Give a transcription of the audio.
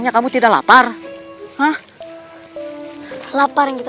tunggu nanti saya besin pada kuda